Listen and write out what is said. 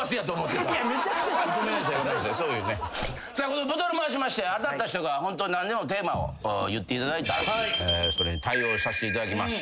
このボトル回しまして当たった人がホント何でもテーマを言っていただいたらそれに対応させていただきます。